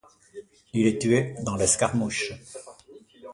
Il est tué dans l'escarmouche.